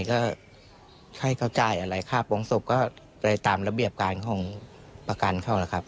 ก็ให้เขาจ่ายอะไรค่าโปรงศพก็ไปตามระเบียบการของประกันเขานะครับ